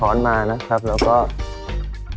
เราใส่แก้วเนาะเอาช้อนมานะครับ